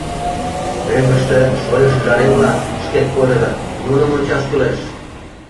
Мӧҥгыштӧ шольо-шӱжарем-влак шкет кодыныт, нуным ончаш кӱлеш.